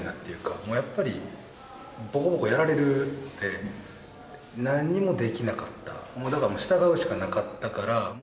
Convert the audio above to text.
もうやっぱり、ぼこぼこやられるんで、何もできなかった、もうだから従うしかな